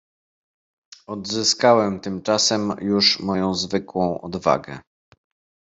"Odzyskałem tymczasem już moją zwykłą odwagę."